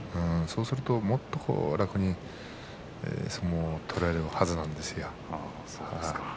そうするともっと楽に相撲を取れるはずなんですよ。